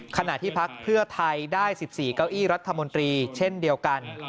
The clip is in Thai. ขณะที่พักเพื่อไทยได้๑๔เก้าอี้รัฐมนตรีเช่นเดียวกัน